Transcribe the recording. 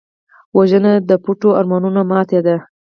وژنه د پټو ارمانونو ماتې ده